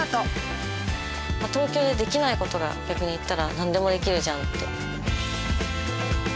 東京でできないことが逆に言ったら何でもできるじゃんって。